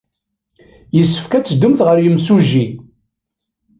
Yessefk ad teddumt ɣer yemsujji.